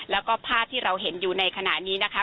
แล้วก็ภาพที่เราเห็นอยู่ในขณะนี้นะคะ